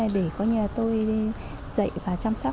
để tôi dạy và chăm sóc